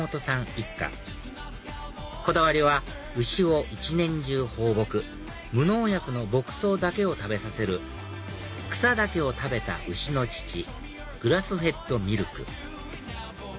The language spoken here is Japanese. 一家こだわりは牛を一年中放牧無農薬の牧草だけを食べさせる草だけを食べた牛の乳グラスフェッドミルク